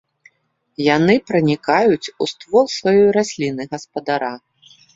Яны пранікаюць у ствол сваёй расліны-гаспадара.